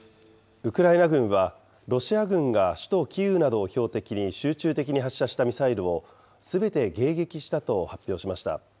ウクライナ軍は、ロシア軍が首都キーウなどを標的に集中的に発射したミサイルを、すべて迎撃したと発表しました。